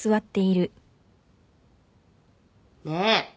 ねえ！